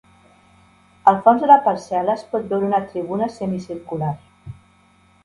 Al fons de la parcel·la es pot veure una tribuna semicircular.